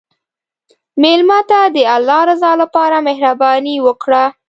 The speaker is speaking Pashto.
مېلمه ته د الله رضا لپاره مهرباني وکړه.